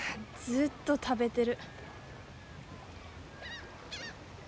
ずっと食べてる。